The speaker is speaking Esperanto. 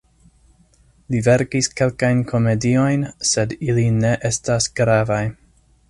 Li verkis kelkajn komediojn, sed ili ne estas gravaj.